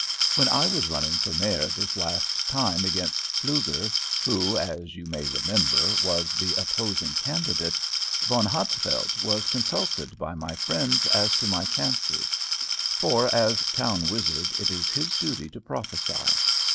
When I was running for Mayor this last time against Pflueger, who, as you may remember, was the opposing candidate, Von Hatzfeldt was consulted by my friends as to my chances; for, as town wizard, it is his duty to prophesy.